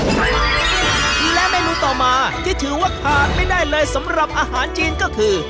นั่นเองล่ะครับและไม่รู้ต่อมาที่ถือว่าขาดไม่ได้เลยสำหรับอาหารจีนก็คือ